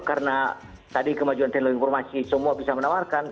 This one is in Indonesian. karena tadi kemajuan teknologi informasi semua bisa menawarkan